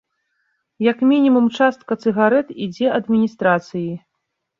Як мінімум частка цыгарэт ідзе адміністрацыі.